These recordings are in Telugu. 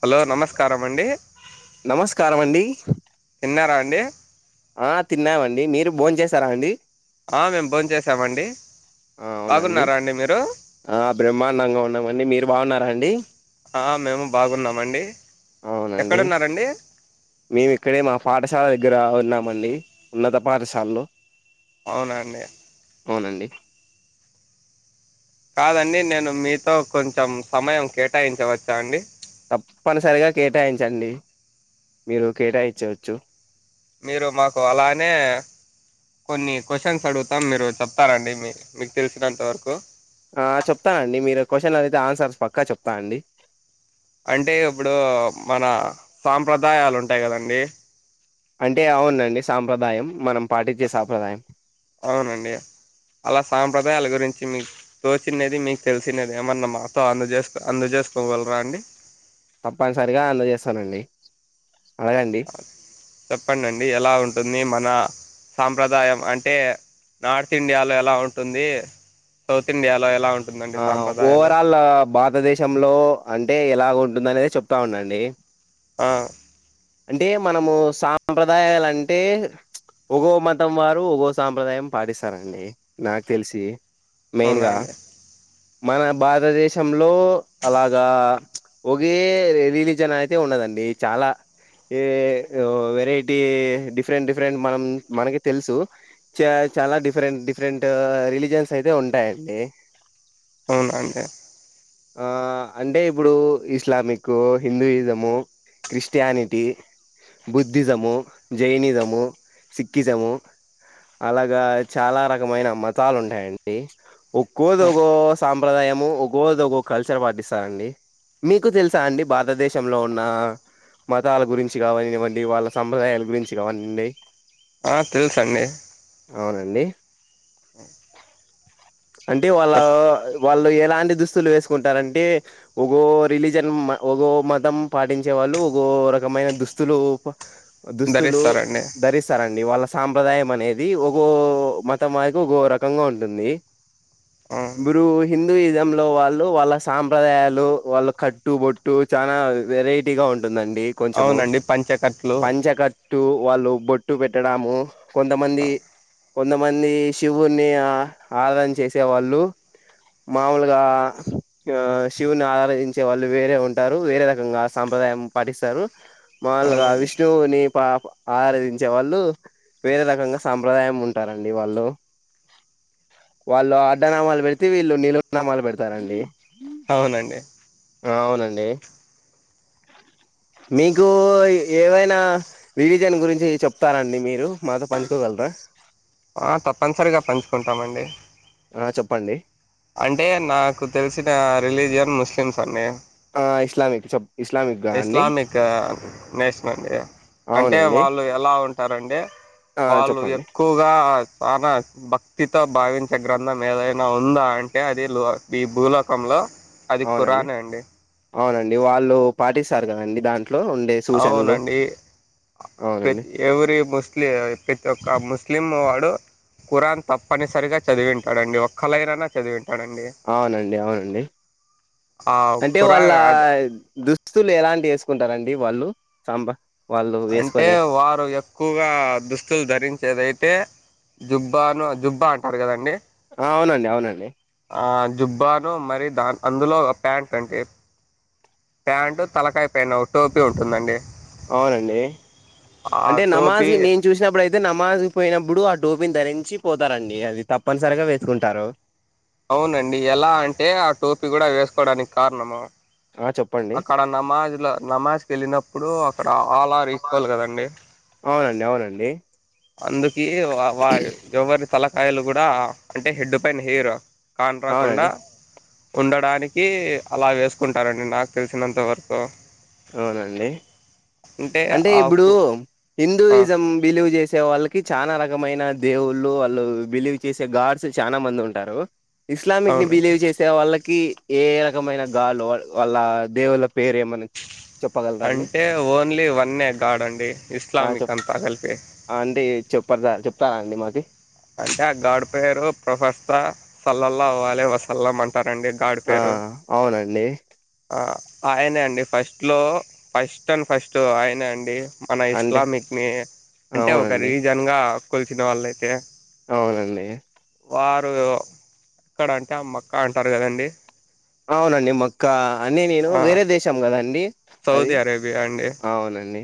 హలో నమస్కారం అండి నమస్కారం అండి తిన్నారా అండే ఆ తిన్నామండి మీరు భోన్ చేసారా అండి ఆ మేము భోన్ చేసామండి ఆ అవునండి బాగున్నారా అండి మీరు ఆ బ్రహ్మాండంగా ఉన్నామండి మీరు బాగున్నారా అండి ఆ మేము బాగున్నామండి అవునండి ఎక్కడున్నరండి మేము ఇక్కడే మా పాఠశాల దగ్గర ఉన్నామండి ఉన్నత పాఠశాలలో అవునా అండి అవునండి కాదండి నేను మీతో కొంచెం సమయం కేటాయించవచ్చా అండి తప్పనిసరిగా కేటాయించండి మీరు కేటాయిచ్చవచ్చు మీరు మాకు అలానే కొన్ని క్వశ్చన్స్ అడుగుతాం మీరు చెప్తారండి మీ మీకు తెలిసినంత వరకు ఆ చెప్తానండి మీరు క్వశ్చన్ అడిగితే ఆన్సర్స్ పక్కా చెప్తా అండి అంటే ఇప్పుడు మన సాంప్రదాయాలు ఉంటాయి కదండి అంటే అవునండి సాంప్రదాయం మనం పాటించే సాంప్రదాయం అవునండి అలా సాంప్ర హృదయాల గురించి మీకు తోచిండేది మీకు తెలిసినది ఏమన్నా మాతో అందజేసుకో అందజేసుకోగలరా అండి తప్పనిసరిగా అందజేస్తానండి అడగండి చెప్పండండి ఎలా ఉంటుంది మా నా సాంప్రదాయం అంటే నార్త్ ఇండియాలో ఎలా ఉంటుంది సౌత్ ఇండియాలో ఎలా ఉం ఆ ఓవరాల్ భాతదేశంలో అంటే ఎలాగ ఉంటుందనేది చెప్ వస్తా ఉండండి ఆ అంటే మనము సాంప్రదాయాలు అంటే ఒగో మతం వారు ఒగో సాంప్రదాయం పాటిస్తారంండి నాకు తెలిసి అవునా మెయిన్గా అండి మన భారతదేశంలో అలాగా ఒకే రిలీజన్ అయితే ఉండదండి చాలా ఈ వెరైటీ డిఫరెంట్ డిఫరెంట్ మనం మనకి తెలుసు చ చాలా డిఫరెంట్ డిఫరెంట్ రిలీజన్స్ అయితే ఉంటాయండి అవునా అండి ఆ అంటే ఇప్పుడు ఇస్లామిక్ హిందూయిజము క్రిస్టియానిటీ బుద్ధిజము జైనిజము సిక్కిిజము అలాగా చాలా రకమైన మతాలు ఉంటాయండి ఒక్కుకో ఆ దోగో సప్రదాము ఉగోద కల్చర్ పాటిస్తా అండి మీకు తెలుసా అండి భారతదేశంలో ఉన్న మతాల గురించి కావనివ్వండి వాళ్ళ సంప్రదాయాల గురించి కావనిండి ఆ తెలుస అండి అవునండి ఆ అంటే వాళ్ళ వాళ్ళు లా దుస్తులు వేసు కుంటారంటే ఒగో రిలీజన్ మతం పాటించే వాళ్ళు ఒో రకమైన దుస్తులు దుస్తులు ధరిస్తారండి ధరిస్తారండి వాళ్ళ సాంప్రదాయం అనేది ఒకో మతం మాదికి ఒకో రకంగా ఉంటుంది అవును. ఇప్పురు హిందూయిజం వాల వాళ్ళ సాంప్రదాయాలు వాళ్ళ కట్టు బొట్టు చానా వెరైటీ గా ఉంట ఉంటుందండి కొంచెము అవునండి పంచకట్లు పంచకట్టు వాళ్ళు బొట్టు పెట్టడము కొంతమంది కొంతమంది శివుని ఆ ఆరాన చేసేవాళ్ళు మాముూలుగా ఆ శివుని ఆరాధించే వాళ్ళు వేరే ఉంటారు వేరే రకంగా సాంప్రదాయం పాటిస్తారు మాములుగా అవునండి విష్ణువు నీ పా ఆరాధించే వాళ్ళు వేరే రకంగా సంప్రదాయం ఉంటారండి వాళ్ళు వాళ్ళు అడ్డనామాలు పెడితే వీళ్ళు నిలునామాలు పెడతారండి అ అవునండి అవునండి మీకు ఏవైనా వివిజన్ గురించి చెప్తారండి మీరు మాతో పంచుకోగలరా ఆ తప్పనిసరిగా పంచుకుంటామండి ఆ చెప్పండి అంటే నాకు తెలిసిన రిలీజియన్ ముస్లిమ్స్ అండి ఆ ఇస్లామక్ సబ్ ఇస్లామిక్ నేషన్ అండి అంటే అవునండి వాళ్ళు ఎలా ఉంటారంటె ఆ వాళ్ళు చెప్పండి ఎక్కువగా మన భక్తితో భావించే గ్రంథం ఏదైనా ఉందా అంటే అది లో ఈ భూలోకంలో అది అవునండి కురాన్ అండి అవునండి వాళ్ళు పాటిస్తారు కదండి దాన్ని అవునండితి అవునండి ఎవ్రీ ముస్లిం ప్రతి ఒక్క ముస్లిం వాడు కుఖరాన్ తప్పనిసరిగా చదివింటాడుడి ఒక్కలైనానా చదివింటాడు అవునండి అవునండి ఆ అంటే వాళ్ళ ఖురాన్ అది దుస్తులు ఎలాంటి వ కుంటారంండి వాళ్ళు సాంబార్ అంటే వారు ఎక్కువగా దుస్తులు ధరించేదియితే జుబ్బాను జుబ్బా అంటారు కదండి ఆ అవునండి అవునండి ఆ జుబ్బాను మరి దా అందులో ఒక ప్యాంటట్ అంటే ప్యాంటు తలకాయిపోయిన ఒక టోపీ ఉంటుందండి అవునండి ఆ అంటే టోపీ నమాజ్ నేను చూసినప్పుడుయి అయితే నమాజపోయినప్పుడు ఆ టడోపిని ధరించి పోతారంండి అది తప్పనిసరిగా వేసుకుంటారు అవునండి ఎలా అంటే ఆ టోపీ కూడా వేసుకోవడానికి కారణం ఆ చెప్పండి అక్కడ నమాజ్ల నమాజ్కి వెళ్ళినప్పుడు అక్కడ ఆల్ ఆర్ ఈకువల్ కదండి అవునండి అవునండి అందు ఏ వ వ ఎవర్ని తాలక్ యలు కూడా అంటే హెడ్ పైన హెయిర్ కాండ్రాకొండ అవునండి ఉండడానికి అలా వేసుకుంటారంండి నాకు తెలిసినంత వరకు అవునండి అంటే ఇప్పుడు హిందూయిజం బిలీవ్ చేసే వాళ్ళ కి చాలా రకమైన దేవుళ్ళు వాళ్ళు బిలీవ్ చేసే గాడ్స్ చాలా మంది ఉంటారు ఇస్లామిక్ ని అవునండి బిలీవ్ చేసే వాళ్ళక్ కి ఏ రకమైన గాలు వాళ్ళ వల్ల దేవుళ్ల పేరు ఏమన్నా చెప్పగలరా అండి అంటే ఓన్లీ వన్నె గాడ్ అండి ఆ ఇస్లామిక్ అంతా కలిపే పరదా చెప్తారాండి మాది అంటే ఆ గాడ్ పేరు ప్రొఫెస సల్లల్ల వావ్ వాలే వా స ల మన్ అవునండి గాడ్ పేరు లే ఆ ఆయనే అండి ఫస్ట్లో ఫస్ట్ అండ్ ఫస్ట్ ఆయనే అండి మన అంటే ఇస్లామిక్ని అంటే ఒక అవునండి రీజన్గా కొలిసిన వాళ్ళైతే అవునండి వారు ఎక్కడ అంటే అమ్మక్క అంటారు కదండి అవునండి మక్ కా అన్నీ నేను ఆ, వేరే దేశం కదండి అది సౌదీ అరేబియా అండి అవునండి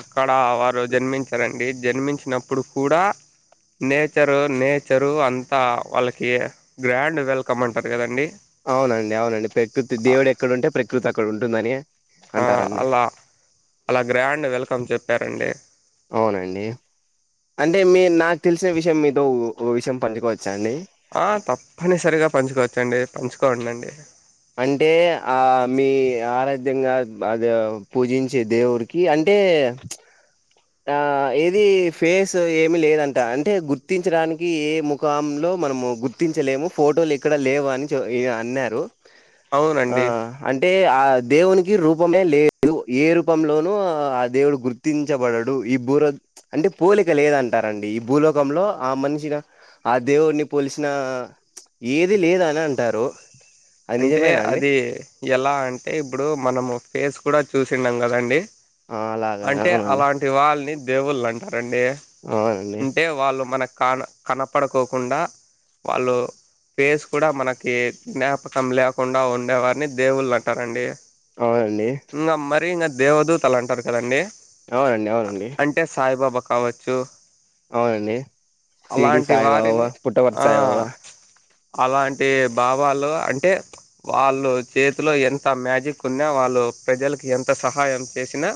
అక్కడ వారు జన్మించారండి జన్మించినప్పుడు కూడా నేచరు నేచరు అంతా వాళ్ళకి గ్రాండ్ వెల్కమ్ అంటారు కదండి అవునండి అవునండి ప్రకృతి దేవుడు ఎక్కడుంటే ప్రకృతి అక్కడ ఉంటుందని ఆ అంటారండి అలా అలా గ్రాండ్ వెల్కమ్ చెప్పారండి ఇ నా తెలిసిన విషయం మీతో పోవిశం పంజుకో ఆ తప్పన్నీసరిగా పంచుకోవచ్చండి. పంచుకో ఉండండి. అంటే బాగా పూజించే దేవుడికి అంటే ఆ ఏది ఫేస్ ఏమి లేదంట అంటే గుర్తించడానికి ఏ ముఖాంలో మనము గుర్తించలేము ఫోటోలు ఇక్కడ లేవు అని చే ఎ అన్నారు ఆ అవునండి అంటే ఆ దేవుని ఈ రూపమే లేదు ఏ రూపంలోనూ ఆ దేవుడు గుర్తించబడడు. ఇప్పుడు ఈ భురాత్ అంటే పోలిక లేదంటారండి ఈ భూలోకంలో ఆ మనిషిగా అ దేవుని పోలిసిన ఆ ఏది లేదనే అంటారు. అది అంటే నిజమేనా అండి అధీ ఎలా అంటే ఇప్పుడు మనము ఫేస్ కూడా చుసిండం కదండి. ఆ అలాగా అంటే అవునండి అలాంటి వాళ్ళని అండి అవునండి అంటే వాళ్ళు మనకి కాన కనపడుకోకుండా వాళ్ళు ఫేస్ కూడా మనకి జ్ఞాపక లేకుండా ఉండేవారిని దేవుళ్ళు అంటారండి. అవునండి ఇంద మరీ నన్ దేవదూతలు అంటారు కదండి అవునండి అవునండి అంటే సాయిబాబా కావచ్చు అవునండి షిరిడీ అలాంటి సాయి బాబా వారిని పుట్టపర్తి ఆ సాయి బాబా అలాంటి బాబాలు అంట్ అంటే వాళ్ళు చేతిలో ఎంత మ్యాజిక్ ఉన్నా వాళ్ళు ప్రజలకు ఎంత సహాయం చేసినా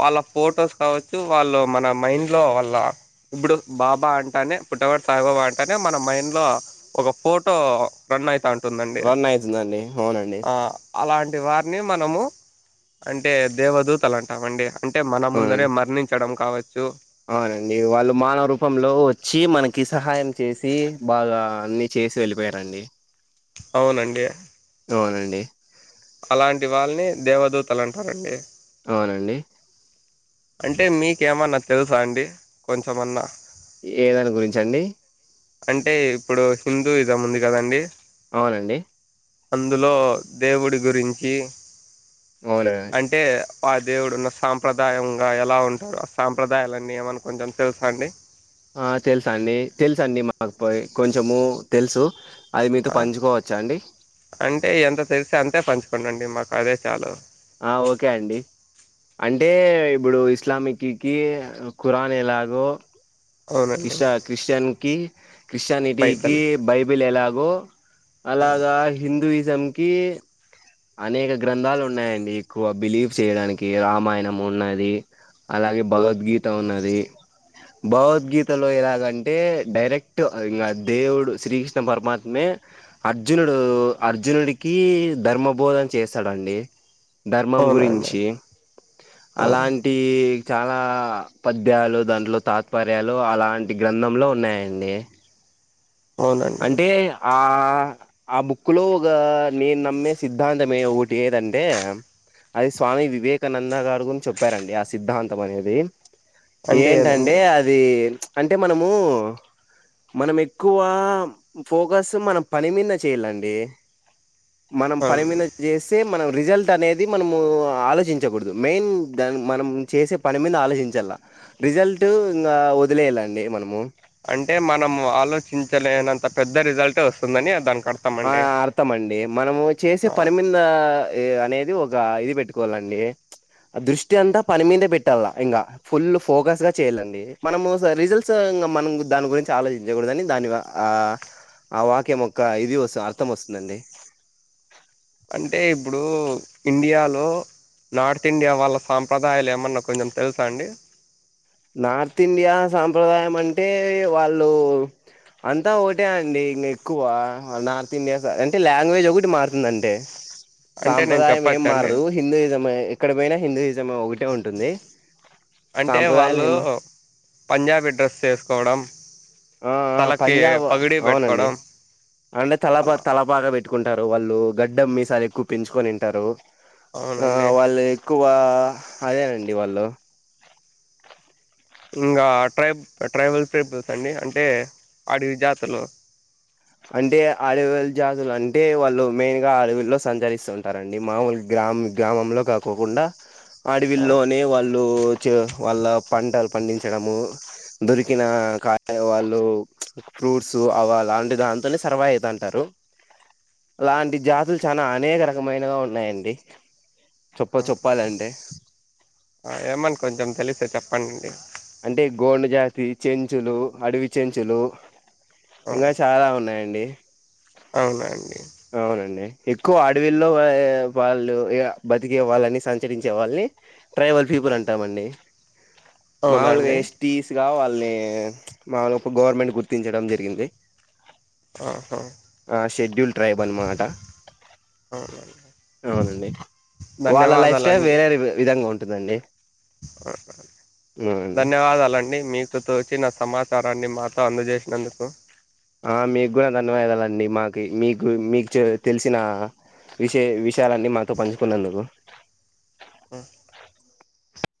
వాళ్ళ ఫొటోస్ కావచ్చు వాళ్ళు మన మైండ్లో వాళ్ళ ఇప్పుడు బాబా అంటానే పుట్టపర్తి సాయిబాబా అంటేనే మన మైండ్లో ఒక ఫోటో రన్ అయితా ఉంటుందండి రన్ అయితుందండి అవునండి ఆ అలాంటి వారిని మనము అంటే దేవదూతలు అంటామండి. అంటే మన ముందరే అవునండి మరణించడం కావచ్చు అవునండి వాళ్ళు మానవ రూపంలో వచ్చి మనకి సహాయం చేసి బాగా అన్ని చేసి వెళ్ళిపోయారండి. అవునండి అవునండి అలాంటి వాళ్ళని దేవదూతలు అంటారండి. అవునండి అంటే మీకేమన్నా తెలుసా అండి కొంచమన్నా ఏదాని గురించండి అంటే ఇప్పుడు హిందూ ఇసం ఉంది కదండి అవునండి అందులో దేవుడి గురించి అవునండి అంటే దేవుడు ఉన్న సాంప్రదాయం ఇంకా ఎలా ఉంటారు అ సాంప్రదాయాలన్నీ ఏమైనా కొంచెం తెలుసా అండి ఆ తెలుసా అండి తెలుసండి మాకు పోయి కొంచము తెలుసు అది మీతో ఆ పంచుకోవచ్చా అండి అంటే ఎంత తెలిసి అంతే పంచు అక్కడ నుండి మాకు అదే చాలు ఆ ఓకే అండి అంటే ఇప్పుడు ఇస్లామిక్కి ఖురానీలాగో అవునండి కిషా క్రిస్టెయిన్ కి క్రిస్టియానిటీకి బైబిల్ బైబిల్ ఎలాగో అలాగా హిందూయిజం క అనేక గ్రంథాలు ఉన్నాయంండి ఎక్కువ బిలీవ్ చేయడానికి రామాయణం ఉన్నది అలాగే భగవద్గీత ఉన్నది భగవద్గీత లో ఎలాగంటే డైరెక్ట్ ఇం దేవుడు శ్రీకృష్ణ పరమాత్మే అర్జునుడు అర్జునుడికి ధర్మబోధన చేస్తాడుండి ధర్మం అవునా అండి గురించి ఆ అలాంటి చాలా పద్యాలు దాంట్లో తాత్పర్యాలు అలాంటి గ్రంథంలో ఉన్నాయండి అవునండి అంటే ఆ ఆ బుక్ లో ఒక నేను నమ్మే సిద్ధాంతంఏ ఒకటి ఏదంటే అది స్వామి వివేకానంద గారు గురించి చెప్పారండి ఆ సిద్ధాంతం అనేది అంటే ఏంటండి ఏదండి అది అంటే మనము మనం ఎక్కువ ఫోకస్ మనం పని మీద చేయిలండి మనం పనిమీద అవునండి చేస్తే మనం రిజల్ట్ అనేది మనము ఆలోచించకూడదు మెయిన్ దాన్ని మనం చేసే పని మీద ఆలోచించాల రిజల్ట్ ఇంగా వదిలేయాలండి మనము అంటే మనం ఆలోచించలేనంత పెద్ద రిజల్టే వస్తుందని దానికి ఆ అర్థమండి. అర్థం అండి మనము చేసే ఆ పనిమింద ఏ అనేది ఒక ఇది పెట్టుకోవాలండి ఆ దృష్టి అంతా పని మీదే పెట్టాల ఇంకా ఫుల్ ఫోకస్ గా చెయ్యాలండి మనం రిజల్ట్స్ం మనం దాని గురించి ఆలోచించకూడదని దాని ఆ ఆ వాక్యంయోక్క ఇది వస్తు ఆర్థం వస్తుందండి అంటే ఇప్పుడు ఇండియాలో నార్త్ ఇండియా వాళ్ళ సాంప్రదాయాలు ఏమన్నా కొంచెం తెలుసా అండి నార్త్ ఇండియా సాంప్రదాయం అంటే వాళ్ళు అంతా ఒకటే అండి ఇంక ఎక్కువ నార్త్ ఇండియా అంటే లాంగ్వేజ్ ఒకటి మారుతుంది అంతే అంటే నేను సాంప్రదాయం ఏం చెప్పచ్చండి. మారదు హిందూయిజం ఎక్కడ పోయినా హిందూయిజం ఒకటే ఉంటుంది అంటే సాంప వాళ్ళు పంజాబీ డ్రెస్ వేసుకోవడం ఆ ఆ తలకి పంజాబ్ పగిడి అవునండి పెట్టుకోవడం అంటే తల పా అలా తల పాగా పెట్టుకుంటారు వాళ్ళు గడ్డం మీసాలు ఎక్కువ పెంచుకొనింటారు ఆ అవునండి. వాళ్ళు ఎక్ ఎక్కువ అదేనండి వాళ్ళు ఇంగా ట్రైబ్ ట్రైబల్ పీపుల్స్ అండి అంటే అడవి జాతులు అంటే అడవిల జాతులు అంటే వాళ్ళు మెయిన్ గా అడవిల్లో సంచరిస్తూ ఉంటారండి మామూలు గ్రామ గ్రామంలో కాకోకుండా ఆ అడవిల్లోనే వాళ్ళు చ వాళ్ళ పంటలు పండించడము దొరికిన కాయ వాళ్ళు ఫ్రూట్స్ అవ లాంటి దాంతోనే సర్వా అయితాంటారు అలాంటి జాతులు చాలా అనేక రకమైనగా ఉన్నాయండి. చొప్ప చెప్పాలంటే ఏమన్న కొంచెం తెలిసే చెప్ పన్నెండు అంటే గోండ జాతి చెంచులు అడవి చెంచులు ఆ ఇంగా చాలా ఉన్నాయండి అవునా అండి. అవునండి ఎక్కువ అడవిల్లో ఏ వాళ్ళు ఇగ బతికే వాళ్ళని సంచరించే వాల్ని ట్రైబల్ పీపుల్ అంటామండి అవునా మావలుగా అండి? ఎస్టీస్ గావాల్ లే మాదొక గవర్నమెంట్ గుర్తించడం జరిగింది. ఆహా! ఆ షెడ్యూల్ ట్రైబ్ అనమాట అవునండి. అవునండి వాళ్ళ లైఫ్ స్టైల్ ధన్యవాదాలండి. వేరే విధంగా ఉం దండి ఆ ధన్యవాదాలండి మీకు తోచిన సమాచ చారాన్ని మాతో అందజేసినందుకు ఆ మీకు కూడా ధన్యవాదాలండి మాకు మీకు మీకు తెలిసిన విషయ విషయాలన్నీ మాతో పంచుకున్నందుకు మ్మ్